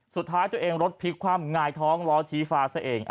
สุดท้ายตัวเองรถพลิกคว่ำงายท้องล้อชี้ฟ้าซะเอง